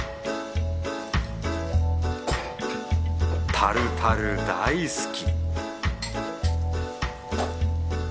タルタル大好き